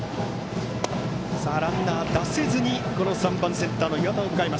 ランナー出せずに３番、センターの岩田。